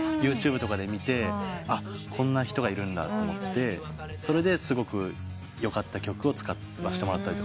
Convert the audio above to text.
ＹｏｕＴｕｂｅとかで見て「あっ。こんな人がいるんだ」と思ってそれですごくよかった曲を使わせてもらったりもあります。